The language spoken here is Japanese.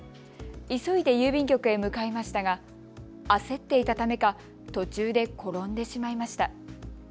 急いで郵便局へ向かいましたが焦っていたためか途中で転んでしまいました。